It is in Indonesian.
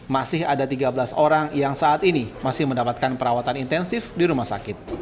masih ada tiga belas orang yang saat ini masih mendapatkan perawatan intensif di rumah sakit